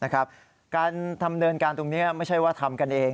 การทำเนินการตรงนี้ไม่ใช่ว่าทำกันเอง